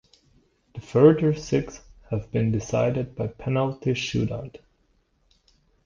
The further six have been decided by penalty shoot-out.